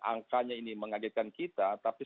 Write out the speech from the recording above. angkanya ini mengagetkan kita tapi